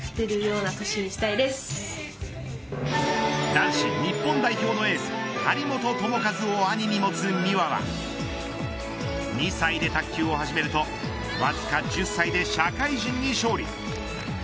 男子日本代表のエース張本智和を兄に持つ美和は２歳で卓球を始めるとわずか１０歳で社会人に勝利。